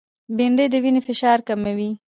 بېنډۍ د وینې فشار کموي